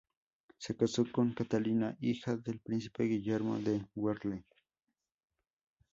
Se casó con Catalina, hija del príncipe Guillermo de Werle.